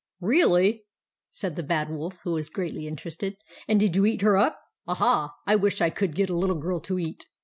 " Really ?" said the Bad Wolf, who was greatly interested. " And did you eat her up? Aha, I wish I could get a little girl to eat!